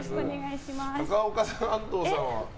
高岡さんと安藤さんは？